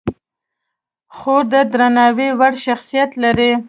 خور د درناوي وړ شخصیت لري.